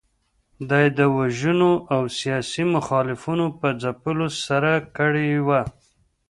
دا یې د وژنو او سیاسي مخالفینو په ځپلو سره کړې وه.